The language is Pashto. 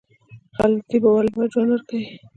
خلک د دې باور لپاره ژوند ورکوي.